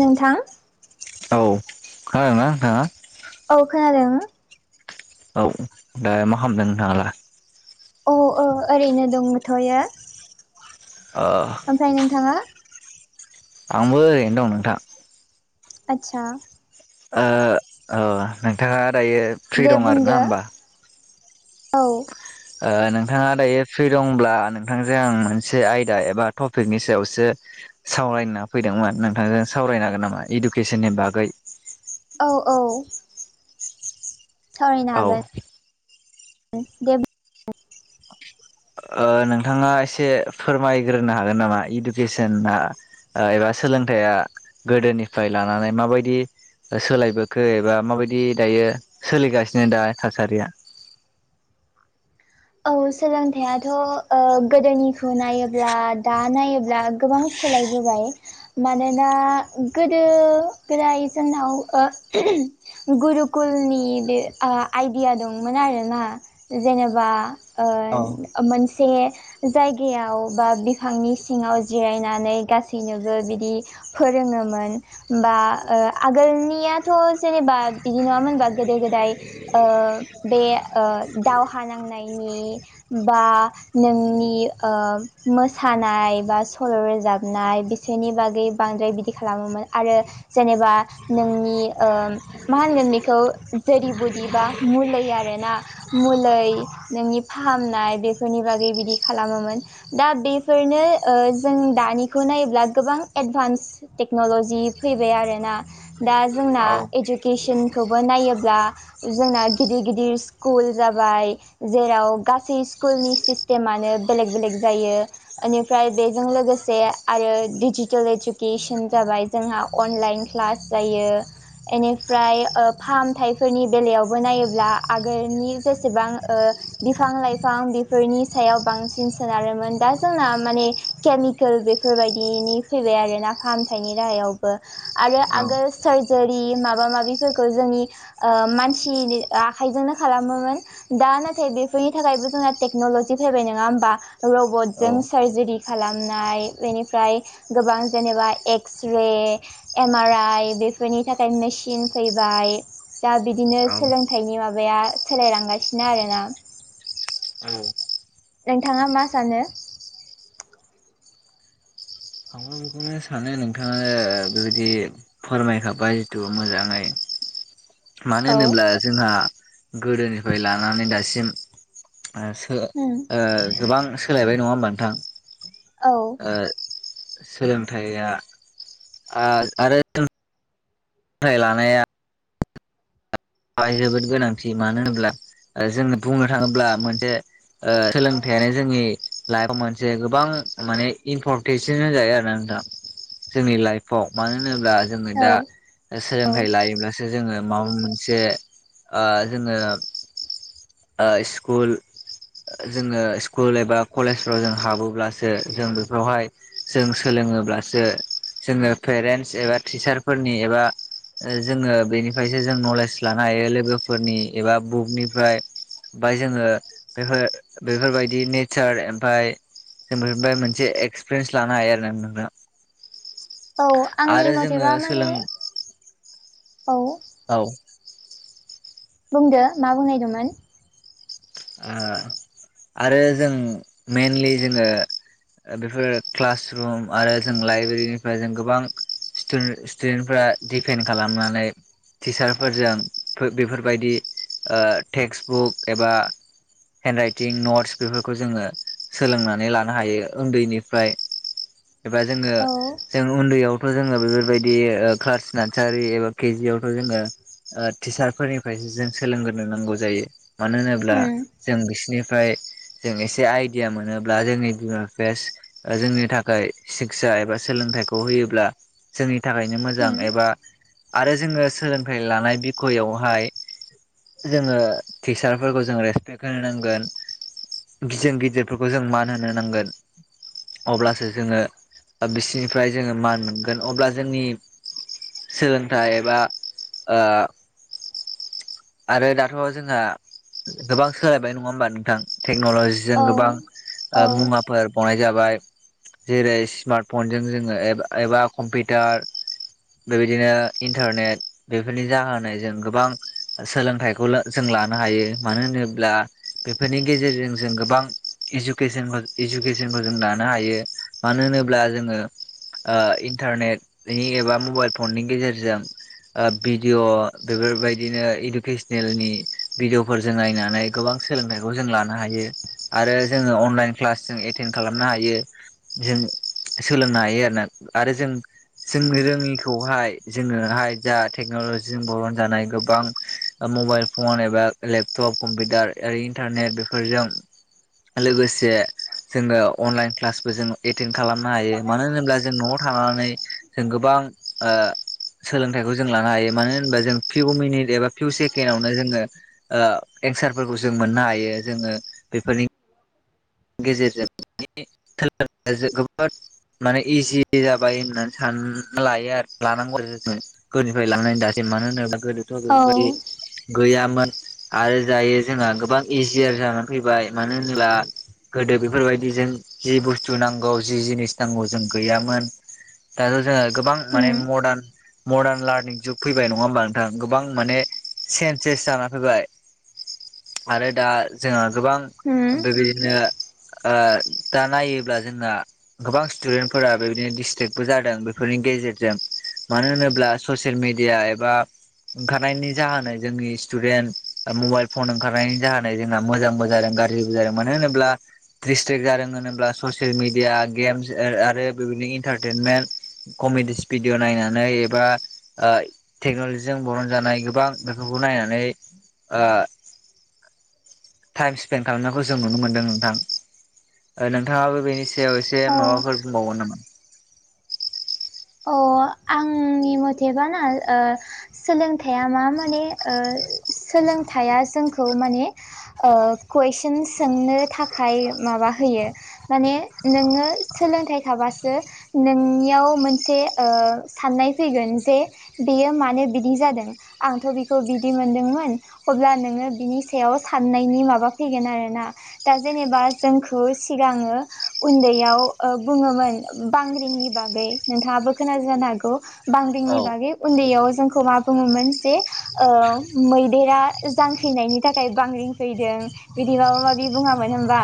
नोंथां? औ खोनादोंना नोथाङा? औ खोनादों। औ दा मा खालामदों नोंथाङालाय? औ ओ ओरैनो दंथ'यो। ओ ओमफ्राय नोंथाङा? आंबो एरैनो दं नोंथां। आदसा। ओ अ नोंथाङा दायो फ्रि दे दं आरोना बुंदो होमबा? औ। ओ नोंथाङा दायो फ्रि दंब्ला नोंथांजों आं मोनसे आयदा एबा टपिकनि सायावसो सावरायना फैदोंमोन नोंथांजों सावरायनो हागोन नामा इडुकेसननि बागै। औ औ। सावरायनो औ हागोन। दे ओ नोंथाङा एसे फोरमायग्रोनो हागोन नामा इडुकेसना ओ एबा सोलोंथाइया गोदोनिफ्राय लानानै माबायदि सोलायबोखो एबा माबायदि दायो सोलिगासिनो दा थासारिया औ सोलोंथाइयाथ' ओ गोदोनिखौ नायोब्ला दा नायोब्ला गोबां सोलायबोबाय मानोना गोदो गोदाय जोंनाव गुरुकुलनि बे आइदिया दंमोन आरोना जेनेबा ओ औ मोनसे जायगायाव बा बिफांनि सिङाव जिरायनानै गासैनोबो बिदि फोरोङोमोन। होमबा ओ आगोलनियाथ' जेनेबा बिदि नङामोनबा गोदो गोदाय ओ बे ओ दावहा नांनायनि बा नोंनि ओ मोसानाय बा सल' रोजाबनाय बि सेनि बागै बांद्राय बिदि खालामोमोन आरो जेनेबा नोंनि ओ मा होनगोन बेखौ जेरै बुदिबा मुलै आरो ना मुलै नोंनि फाहामनाय बेफोरनि बागै बिदि खालामोमोन। दा बेफोरनो ओ जों दानिखौ नायोब्ला गोबां एडभान्स टेक्न'ल'जि फैबाय आरोना। दा जोंना औ इडुकेसनखौबो नायोब्ला जोंना गिदिर गिदिर स्कुल जाबाय। जेराव गासै स्कुलनि सिस्टेमानो बेलेक बेलेक जायो। बेनिफ्राय बेजों लोगोसे आरो डिजिटेल इडुकेसन जाबाय जोंहा अनलाइन क्लास जायो। बेनिफ्राय ओ फाहामथायाइफोरनि बेलायावबो नायोब्ला आगोलनि जेसेबां ओ बिफां लाइफां बेफोरनि सायाव बांसिन सोनारोमोन दा जोंना माने केमिकेल बेफोरबायदिनि फैबाय आरो ना फाहामथायनि राहायावबो। आरो आगोल सार्जारि माबा माबिफोरखौ जोंनि ओ मानसिनि आखाइजोंनो खालामोमोन। दा नाथाय बेफोरनि थाखायबो जोंना टेक्न'लजि फैबाय नङा होमबा। औ रबटजों सार्जि खालामनाय बेनिफ्राय गोबां जेनेबा X ray M R I बेफोरनि थाखाय मेचिन फैबाय। दा बिदिनो औ सोलोंथाइनि माबाया सोलायलांगासिनो। आरोना नोंथाङा मा सानो आं बुंनो सानो नोंथाङानो बेबायदि फोरमायखाबाय जिथु मोजाङै। मानो औ होनोब्ला जोंहा गोदोनिफ्राय लानानै दासिम ओ उम ओ गोबां सोलायबाय नङा होमबा नोंथां। औ ओ सोलोंथाइया आरो सोलोंथाइ लानाया जोबोद गोनांथि मानो होनब्ला जोंनो बुंनो थाङोब्ला मोनसे ओ सोलोंथाइयानो जोंनि लाइफआव मोनसे गोबां माने इमपर टेनसिन जायो आरोना नोंथां जोंनि लाइफआव मानो होनोब्ला जोङो दा औ औ सोलोंथाइ लायोब्लासो जोङो माबा मोन जे ओ जोङो ओ स्कुल जोङो स्कुल एबा कलेजफ्राव जों हाबोब्लासो जों बेफोरावहाय जों सोलोङोब्लासो जोङो पेरेन्टस एबा टिचारफोरनि एबा जोङो बेनिफ्रायसो जों नलेज लानो हायो लोगोफोरनि एबा बुकनिफ्राय ओमफफ्राय जोङो बेफोर बेफोरबायदि नेचार ओमफाय जोंफ्राय मोनसे एक्सपिरियेन्स लानो हायो आरो ना नोंथां। औ आंनि आरो जोङो मथेबा माने सोलों औ औ बुंदो मा बुंनायदोंंमोन आरो जों मेनलि जोङो बेफोर क्लासरुम आरो जों लाइब्रेरिनिफ्राय जों गोबां स्टुदेन्टफ्रा दिडपेन्ड खालामनानै टिचारफोरजों बेफोरबायदि टेक्सट बुक एबा हेन्ड राइटिं नट्स बेफोरखौ जोङो सोलोंनानै लानो हायो उन्दैनिफ्राय एबा जोङो औ जों उन्दैयावथ' जोङो बेफोरबायदि क्लास नार्सारि एबा केजि आवथ' जोङो ओ टिचारफोरनिफ्रायसो जों सोलोंग्रो नांगौ जायो मानो होनोब्ला उम बिसिनिफ्राय जों एसे आइडिया मोनोब्ला जोंनि बिमा बिफाया जोंनि थाखाय सिखसा एबा सोलोंथाइखौ होयोब्ला जोंनि थाखायनो मोजां उम एबा आरो जोङो सोलोंथाइ लानाय बिखयआवहाय जोङो टिचारफोरखौ जों रे सपेक्ट होनो नांगोन गिदिर गिदिरफोरखौ जों मान होनो नांगोन। अब्लासो जोङो बिसनिफ्राय जोङो मान मोनगोन अब्ला जोंनि सोलोंथाइ एबा आ आरो दाथ' जोंहा गोबां सोलायबाय नङा होमबा नोंथां टेक्नलजिजों औ गोबां औ मुवाफोर गनाय जाबाय जेरै स्मार्ट फनजों जोङो एबा कम्पिउटार बेबायदिनो इन्टारनेट बेफोरनि जाहोनायजों गोबां सोलोंथाइखौ जों लानो हायो मानो होनोब्ला बेफोरनि गेजेरजों जों गोबां इुकेसन इडुकेसनखौ जों लानो हायो मानो होनोब्ला जोङो इन्टारनेटनि एबा मबाइल फननि गेजेरजों भिडिअ बेफोरबायदिनो इडुकेसनेलनि भिडिअ फोर जों नायनानै गोबां सोलोंथाइखौ जों लानो हायो आरो जोङो अनलाइन क्लास जों एटेन्ड खालामनो हायो जों सोलोंनो हायो आरोना आरो जों जोंनि रोङिखौहाय जोङोहाय जा टेक्न'लजिजों बरन जानाय गोबां मबाइल फन एबा लेपटप कम्पिउटार रै इन्टारनेट बेफोरजों लोगोसे जोङो अनलाइन क्लासबो जों एटेन्ड खालामनो हायो मानो होनोब्ला जों न'आव थानानै जों गोबां ओ सोलोंथाइखौ जों लानो हायो मानो होनबा जों फिउ मिनिट एबा फिउ सेके्डावनो जोङो ओ एन्सारफोरखौ जों मोननो हायो जोङो बेफोरनि गेजेरजों थ जोबोद [unintelligible] माने इजि जाबाय होननानै सान लायो आरो लानांगौ आरो जनो गोदोनिफ्राय लां दासिै मानो होनोब्ला गोदोथ' बायदि औ [unintelligible] गैयामोन आरो जायो जोंहा गोबां इजिय जानानै फैबाय मानो होनोब्ला गोदो बेफोरबायदि जों जि बुस्थु नांगौ जि जिनिस नांगौ जों गैयामोन दाथ' जोङो गोबां माने मदार्न मर्दार्न लार्निं जुग फैबाय नङा होमबा नोंथां गोबां माने चन्सेस जाना फैबाय आरो दा जोंहा गोबां बेबायदिनो ओ दा नायोब्ला जोंना गोबां स्टुडेन्टफोरा बेबायदिनो डिसटेक्टबो जादों बेफोरनि गेजेरजों मानो होनोब्ला ससियेल मिेडिया एबा ओंखारनायनि जाहोनै जोंनि स्टुडेन्ट मबाइल फन ओंखारनायनि जाहोन जोंना मोजांबो जादों गार जेबो [unintelligible] मानो होनोब्ला सट्रिेक्ट जादों होनोब्ला ससियेल मिडिया गेम्स आरो बेबदिनो इन्टारटेनमेन्ट कमेडिस भिडिअ' नायनानै एबा आ टेक्न'लजिजों बरन जानाय गोबां बेफोरखौ नायनानै आ टाइम स्पेन्ड खालामनायखौ जों नुनो मोनदों नोंथां नोंथाङाबो बेनि सायाव एसे औ माबाफोर बुंबावगोन नामा अ आंनि मथेबा ना ओ सोलोंथाइया मा माने ओ सोलोंथाइया जोंखौ माने ओ कुइसन सोंनो थाखाय माबा होयो माने नोङो सोलोंथाइ थाबासो नोंनियाव मोनसे से ओ साननाय फैगोन जे बेयो मानो बिदि जादों आंथ' बिखौ बिदि मोनदोंमोन अब्ला नोङो बिनि सायाव साननायनि माबा फैगोन आरोना दा जेनेबा जोंखौ सिगाङो उन्दैयाव ओ बुङोमोन बांग्रिंनि बागै नोंथाङाबो खोन जानो हागौ औ बांग्रिंनि बागै उन्दैयाव जोंखौ मा बुङोमोन जे ओम मैदेरा जांख्रिनायनि थाखाय बांग्रिं फैदों बिदि माबा माबि बुङामोन होनबा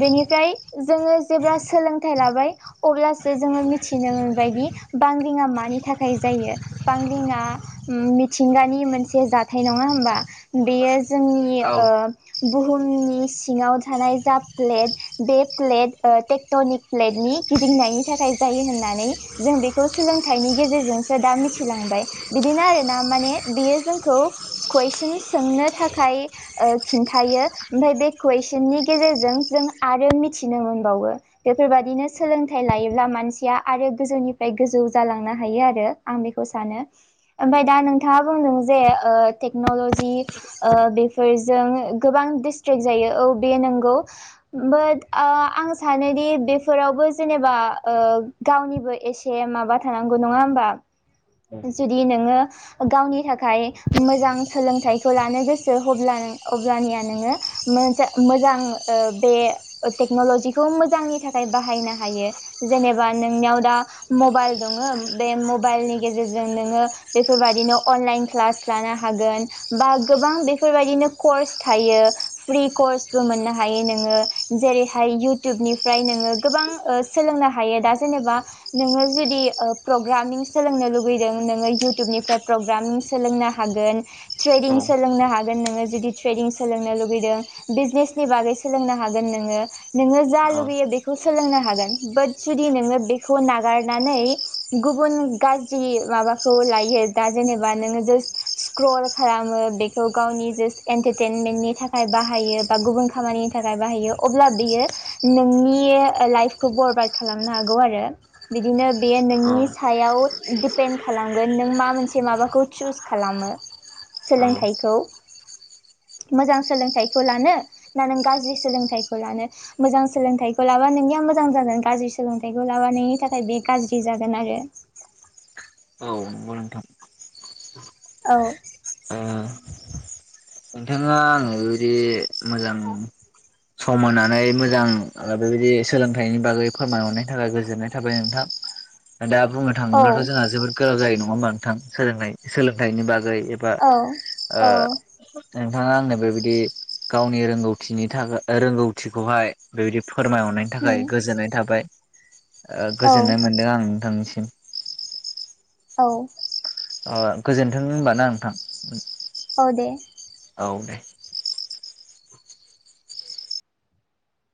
बेनिफ्राय जोङो जेब्ला सोलोंथाइ लाबाय अब्लासो जोङो मिथिनो मोन बेबादि बांग्रिंआ मानि थाखाय जायो बांग्रिंआ मिथिंगानि मोनसे जाथाय नङा होमबा बेयो जोंनि औ ओ बुहुमनि सिङाव थानाय जा फ्लेट बे प्लेट टेक्टनिक प्लेटनि गिदिंनायनि थाखाय जायो होननानै जों बेखौ सोलोंथाइनि गेजेरजोंसो दा मिथिलांबाय बिदिनो आरो ना माने बियो जोंखौ कुइसन सोंनो थाखाय खिन्थायो ओमफ्राय बे कुइसननि गेजेरजों जों आरो मिथिनो मोनबावो बेफोरबायादिनो, सोलोंथाइ लायोब्ला मानसिया आरो, गोजौ निफ्राय गोजौ जालांनो हायो, आरो आं बेखौ सानो ओमफाय दा नोंथाङा बुंदों जे ओ टेक्न'लजि ओ बेफोरजों गोबां डिस्ट्रेक्ट जायो औ, बे, नंगौ, बाट आं सानोदि बेफोरावबो जेनेबा ओ गावनिबो एसे माबा थानांगौ नङा होमबा जुदि नोङो, गावनि थाखाय मोजां सोलोंथाइखौ लानो गोसो अब्लानिया नोङो मोनसे मोजां बे टेक्न'लजिखौ मोजांनि थाखाय बाहायनो हायो जेनेबा नोंनियाव दा मबाइल दङ' बे मबाइलनि गेजेरजों नोङो बेफोरबायदिनो अनलाइन क्लास लानो हागोन बा गोबां बेफोरबायदिनो कर्स थायो फ्रि कर्सबो मोननो हायो नोङो जेरै हाय इउटुबनिफ्राय नोङो गोबां, सोलोंनो हायो दा जेनेबा नोङो जुदि प्रग्रामिं सोलोंनो लुुबैदों नोङो इउटुबनिफ्राय प्रग्राम सोलोंनो हागोन ट्रेदिं सोलोंनो हागोन नोङो जुदि ट्रेदिं सोलोंनो लुगैदों बिजनेसनि बागै, सोलोंनो हागोन नोङो, नोङो जा औ लुबैयो बेखौ सोलोंनो हागोन बाट जुदि नोङो बेखौ नागारनानै गुबुन गाज्रि, माबाखौ लायो दा जेनेबा नोङो जासट, स्क्रल खालामो बेखौ गावनि जासट एन्टारटेनमेन्टनि थाखाय बाहायो बा गुबुन खामानिनि थाखाय बाहायो अब्ला बियो नोंनि लाइफखौ बरबाद खालामनो हागौ आरो बिदिनो बे नोंनि सायाव दिडपेन्ड' खालामगोन नों मा मोनसे माबाखौ चुस खालामो औ सोलोंथाइखौ मोजां सोलों थाइखौ लानो, ना, नों गाज्रि, सोलोंथाइखौ लानो, मोजां सोलोंथाइखौ लाबा नोंनिया मोजां जागोन गाज्रि सोलोंथाइखौ लाबा नोंनि थाखाय बे गाज्रि जागोन आरो औ, नंगौ, नोंथां, औ, आ नोंथाङा ओरे मोजां सम होनानै मोजां ओ बेबायदि सोलोंथाइनि बागै फोरमाय हरनायनि थाखाय गोजोननाय थाबाय नोंथां दा बुंनो औ थाङोब्लाथ' जोंहा जोबोद गोलाव जायो नङा होमबा नोंथां सोलों सोलोंथाइनि बागै बा औ ओ औ नोंथाङा आंनो बेबायदि गावनि रोंगौथिनि थाखाय रोंगौथिखौहाय बेबायदि फोरमाय हरनायनि थाखाय गोजोननाय थाबाय औ गोजोननाय मोनदों आं नोंथांनिसिम, औ, गोजोन्थों होनबाना नोंथां, औ, दे, औ दे,